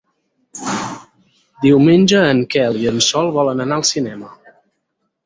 Diumenge en Quel i en Sol volen anar al cinema.